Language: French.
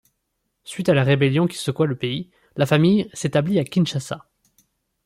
Suites à la rébellion qui secoua le pays, la famille s’établit à Kinshasa.